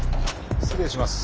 失礼します。